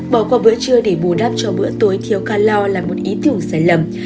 bỏ qua bữa trưa để bù đắp cho bữa tối thiếu ca lao là một ý tưởng sai lầm